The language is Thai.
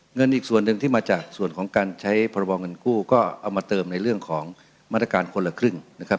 เงินอีกส่วนหนึ่งที่มาจากส่วนของการใช้พรบเงินกู้ก็เอามาเติมในเรื่องของมาตรการคนละครึ่งนะครับ